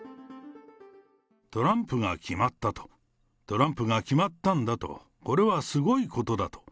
トランプが決まったと、トランプが決まったんだと、これはすごいことだと。